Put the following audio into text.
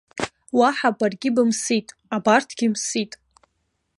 Уаҳа баргьы бымсит, абарҭгьы мсит!